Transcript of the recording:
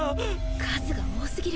数が多すぎる。